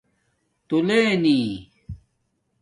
تُولینی